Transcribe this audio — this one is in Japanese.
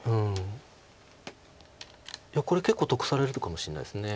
いやこれ結構得されるかもしれないです。